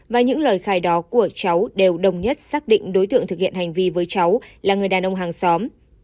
và những lời khai đó của cháu đều đồng nhất xác định đối tượng thực hiện hành vi với cháu là người đàn ông hàng xóm